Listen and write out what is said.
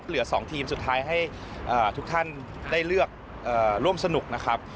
เหลือ๒ทีมสุดท้ายให้ทุกท่านได้เลือกร่วมสนุกนะครับ